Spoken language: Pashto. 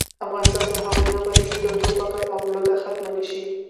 افغانستان تر هغو نه ابادیږي، ترڅو فقر او لوږه ختمه نشي.